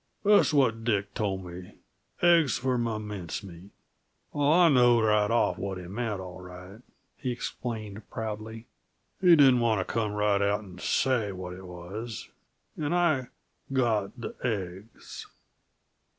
That's what Dick tol' me aigs for m' mince meat. Oh, I knowed right off what he meant, all right," he explained proudly. "He didn't wanta come right out 'n' shay what it was an' I got the aigs!"